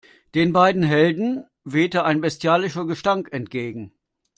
Den beiden Helden wehte ein bestialischer Gestank entgegen.